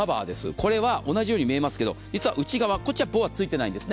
これは同じように見えますけど、内側はボアついてないんですね。